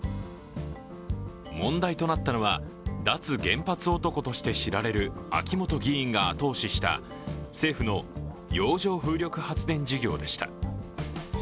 問題となったのは脱原発男として知られる秋本議員が後押しした政府の洋上風力発電事業でした。